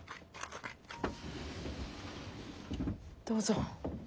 どうぞ。